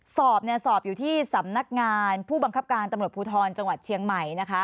สอบสอบอยู่ที่สำนักงานผู้บังคับการตำรวจภูทรจังหวัดเชียงใหม่นะคะ